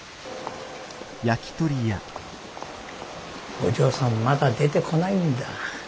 お嬢さんまだ出てこないんだ。